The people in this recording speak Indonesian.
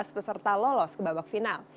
dua belas peserta lolos ke babak final